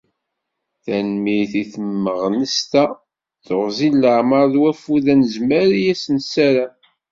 Tanemmirt i tmeɣnast-a, teɣzi n leɛmer d wafud anezmar i as-nessaram.